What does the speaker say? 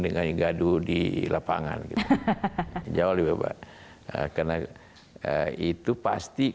ingeniu dpr memiliki beberapagreston